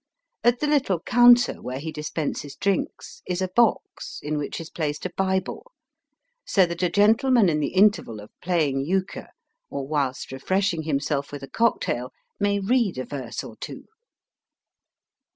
At the little counter where he dispenses drinks is a box, in which is placed a Bible, so that a gentleman in the interval of playing euchre, or whilst refreshing himseK with a cocktail, may read a verse or two.